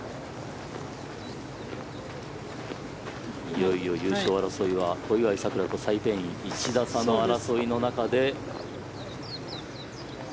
いよいよ優勝争いは小祝さくらとサイ・ペイイン１打差の争いの中で。